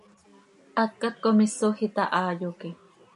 Hacat com isoj itahaa, yoque.